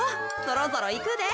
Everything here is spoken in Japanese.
そろそろいくで。